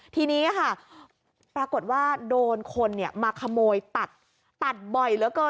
ทีนี้ค่ะปรากฏว่าโดนคนมาขโมยตัดตัดบ่อยเหลือเกิน